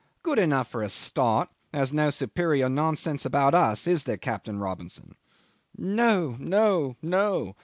"Good enough for a start there's no superior nonsense about us. Is there, Captain Robinson?" "No! no! no!"